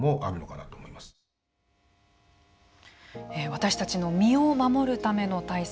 私たちの身を守るための対策。